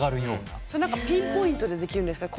それなんかピンポイントでできるんですか？